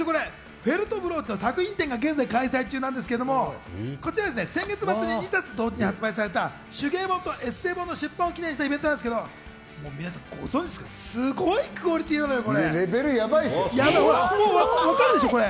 フェルトブローチの作品展が現在開催中なんですが、こちらは先月末に２冊同時に発売された手芸本とエッセイ本の出版を記念したイベントなんですが、こちらすごいクオリティーなんですよ。